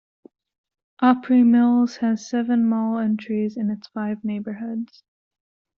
Opry Mills has seven mall entries in its five neighborhoods.